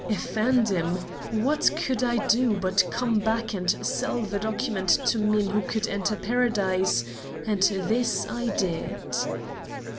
"Effendim, what could I do but come back and sell the document to men who could enter Paradise, and this I did."